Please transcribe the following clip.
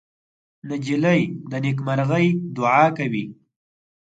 نجلۍ د نیکمرغۍ دعا کوي.